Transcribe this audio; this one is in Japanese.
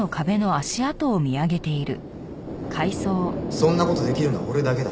そんな事できるのは俺だけだ。